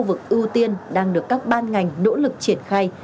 vực ưu tiên đang được các ban ngành nỗ lực triển khai